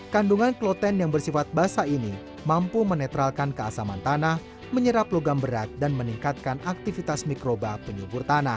kandungan kloten yang bersifat basah ini mampu menetralkan keasaman tanah menyerap logam berat dan meningkatkan aktivitas mikroba penyubur tanah